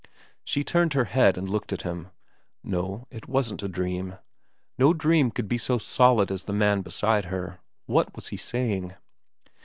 She turned her head and looked at him. No, it wasn't a dream. No dream could be so solid as the man beside her. What was he saying